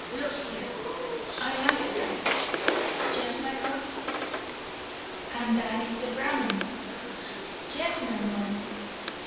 Look here I am the tiger " "Yes, my lord!" "And that is the Brahman " "Yes, my lord!"